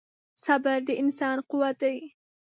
• صبر د انسان قوت دی.